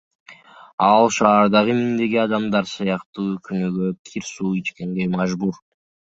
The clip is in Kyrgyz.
Ал шаардагы миңдеген адамдар сыяктуу күнүгө кир суу ичкенге мажбур.